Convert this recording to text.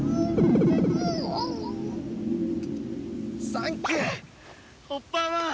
サンキューホッパー１！